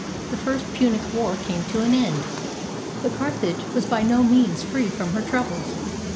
the First Punic War came to an end. But Car thage was by no means free from her troubles.